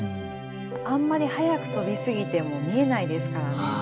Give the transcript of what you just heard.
あんまり早く飛びすぎても見えないですからね。